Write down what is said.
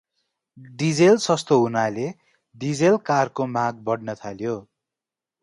Diesel सस्तो हुनाले diesel कारको माग बढ्न थाल्यो ।